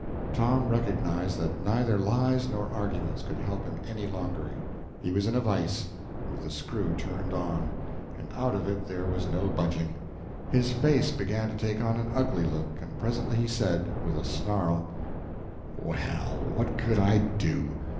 Tom recognized that neither lies nor arguments could help him any longer he was in a vise, with the screw turned on, and out of it there was no budging. His face began to take on an ugly look, and presently he said, with a snarl "Well, what could I do?